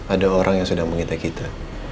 ada orang yang sudah mengintai kita